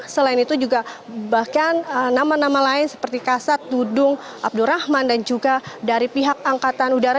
selain itu juga bahkan nama nama lain seperti kasat dudung abdurrahman dan juga dari pihak angkatan udara